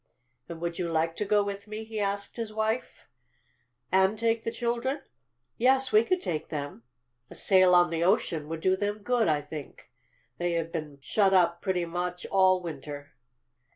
"And would you like to go with me?" he asked his wife. "And take the children?" "Yes, we could take them. A sail on the ocean would do them good, I think. They have been shut up pretty much all winter."